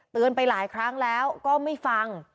ไปหลายครั้งแล้วก็ไม่ฟัง